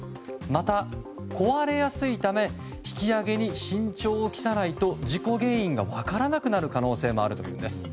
また、壊れやすいため引き揚げに慎重を期さないと事故原因が分からなくなる可能性があるというんです。